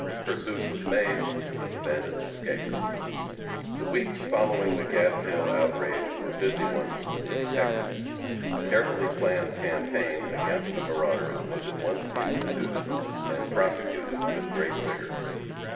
Pursuit was made, but the bandits escaped. The weeks following the Gadshill outrage were busy ones with the detectives. A carefully planned campaign against the marauders was at once instituted and prosecuted with great vigor.